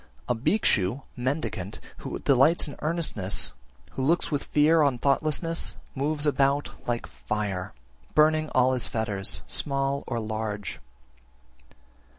31. A Bhikshu (mendicant) who delights in earnestness, who looks with fear on thoughtlessness, moves about like fire, burning all his fetters, small or large.